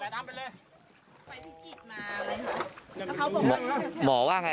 ถ้าเราก็ไม่เจอแล้วไง